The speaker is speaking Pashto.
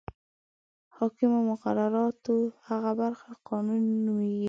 حاکمو مقرراتو هغه برخه قانون نومیږي.